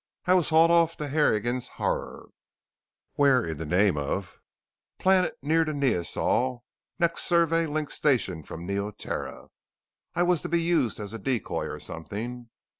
"I was hauled off to Harrigan's Horror." "Where in the name of ?" "Planet near to Neosol, next Survey link station from Neoterra. I was to be used as a decoy or something."